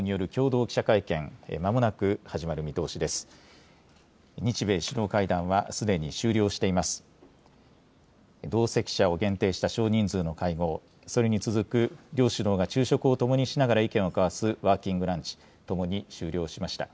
同席者を限定した少人数の会合、それに続く、両首脳が昼食をともにしながら意見を交わすワーキングランチ、ともに終了しました。